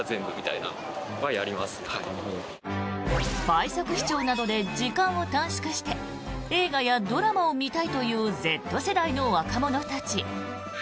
倍速視聴などで時間を短縮して映画やドラマを見たいというＺ世代の若者たち。